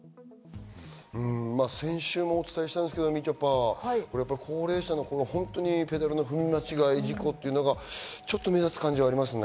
先週もお伝えしたんですけど、みちょぱ、高齢者のペダルの踏み間違い事故っていうのがちょっと目立つ感じはありますね。